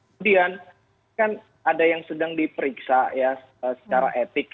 kemudian kan ada yang sedang diperiksa ya secara etik